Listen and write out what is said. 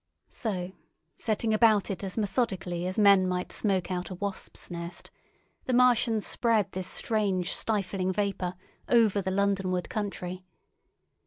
So, setting about it as methodically as men might smoke out a wasps' nest, the Martians spread this strange stifling vapour over the Londonward country.